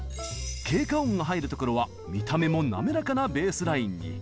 「経過音」が入るところは見た目もなめらかなベースラインに。